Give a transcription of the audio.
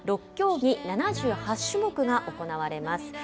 ６競技、７８種目が行われます。